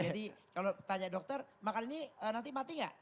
jadi kalau tanya dokter makan ini nanti mati enggak